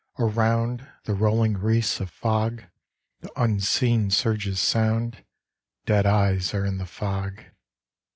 Around, The rolling wreathes of fog; The unseen surges sound; Dead eyes are in the fog.